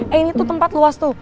eh ini tuh tempat luas tuh